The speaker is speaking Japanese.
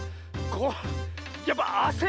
これやっぱあせるね